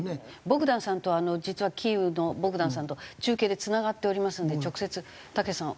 ボグダンさんとは実はキーウのボグダンさんとは中継でつながっておりますので直接たけしさん